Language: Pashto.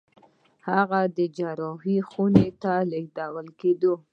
هغه د جراحي خونې ته لېږدول کېده.